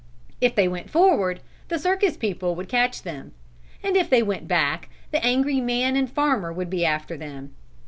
If they went forward the circus people would catch them, and if they went back, the angry man and farmer would be after them.